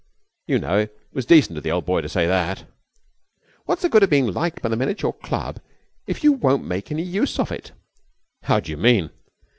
You know, it was decent of the old boy to say that.' 'What is the good of being liked by the men in your club if you won't make any use of it?' 'How do you mean?'